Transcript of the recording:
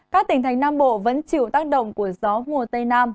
các tỉnh thành nam bộ vẫn chịu tác động của gió mùa tây nam